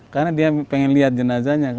karena dia pengen liat jenazahnya